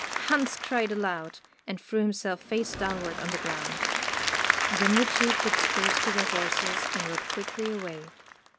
Hans cried aloud, and threw himself face downward on the ground. Then the two put spurs to their horses and rode quickly away.